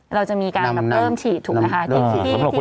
เราจะมีการเริ่มฉีดถูกไหมคะ